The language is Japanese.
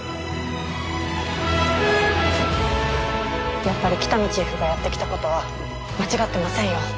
やっぱり喜多見チーフがやってきたことは間違ってませんよ